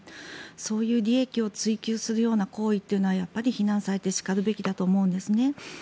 そういう利益を追求するような行為っていうのは非難されてしかるべきだと思うんですね。